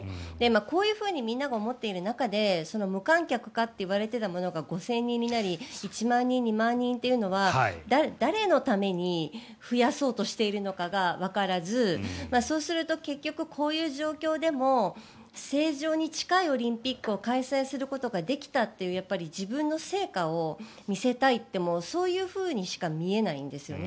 こういうふうにみんなが思っている中で無観客かといわれていたものが５０００人になり１万人、２万人というのは誰のために増やそうとしているのかがわからずそうすると結局こういう状況でも正常に近いオリンピックを開催することができたという自分の成果を見せたいってもう、そういうふうにしか見えないんですよね。